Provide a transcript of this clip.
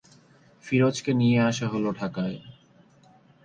ফিরোজকে নিয়ে আসা হলো ঢাকায়।